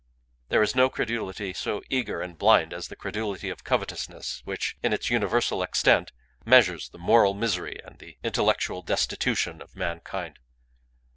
There is no credulity so eager and blind as the credulity of covetousness, which, in its universal extent, measures the moral misery and the intellectual destitution of mankind.